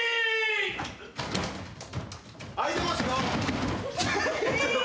開いてますよ！